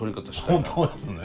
本当ですね。